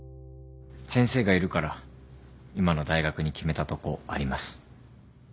先生がいるから今の大学に決めたとこあります。